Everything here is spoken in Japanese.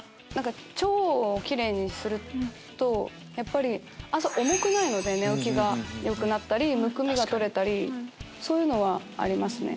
腸をキレイにすると朝重くないので寝起きがよくなったりむくみが取れたりそういうのはありますね。